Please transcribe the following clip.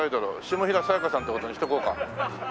下平さやかさんって事にしとこうか。